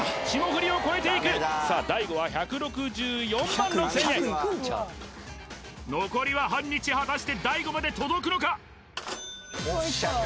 霜降りを超えていくさあ大悟は１６４万６０００円残りは半日果たして大悟まで届くのか？